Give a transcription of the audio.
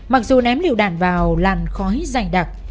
mặc dù ném liệu đạn vào làn khói dành đặc